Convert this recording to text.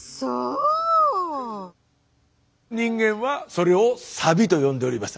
人間はそれをサビと呼んでおりました。